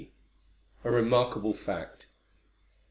A REMARKABLE FACT.